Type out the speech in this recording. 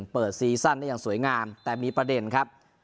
เปิดซีซั่นนี้ยังสวยงามแต่มีประเด็นครับ